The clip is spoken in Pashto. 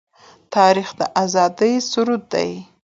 تاریخ د آزادۍ سرود دی.